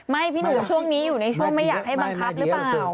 พี่หนุ่มช่วงนี้อยู่ในช่วงไม่อยากให้บังคับหรือเปล่า